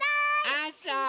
あそう。